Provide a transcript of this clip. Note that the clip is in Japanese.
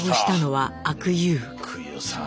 来た阿久悠さん。